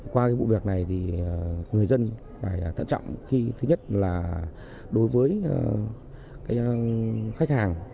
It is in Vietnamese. qua bộ việc này thì người dân phải tận trọng khi thứ nhất là đối với khách hàng